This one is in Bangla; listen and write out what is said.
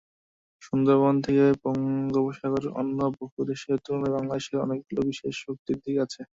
সুন্দরবন থেকে বঙ্গোপসাগরঅন্য বহু দেশের তুলনায় বাংলাদেশের অনেকগুলো বিশেষ শক্তির দিক আছে।